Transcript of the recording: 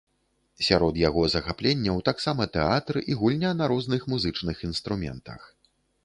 Сярод яго захапленняў таксама тэатр і гульня на розных музычных інструментах.